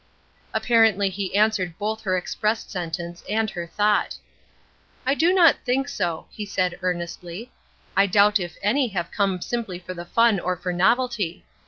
Apparently he answered both her expressed sentence and her thought: "I do not think so," he said, earnestly. "I doubt if any have come simply for fun or for novelty.